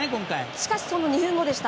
しかしその２分後でした。